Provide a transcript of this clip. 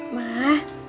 ada apa sih